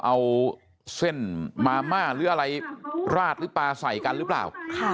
เอาเส้นมาม่าหรืออะไรราดหรือปลาใส่กันหรือเปล่า